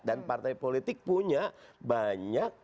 dan partai politik punya banyak